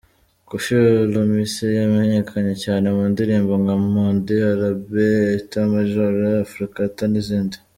Koffi Olomise yamenyekanye cyane mu ndirimbo nka Monde arabe, Etat Major, Efrakata n’izindi.